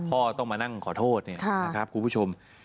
พ่อต้องมานั่งขอโทษนะครับคุณผู้ชม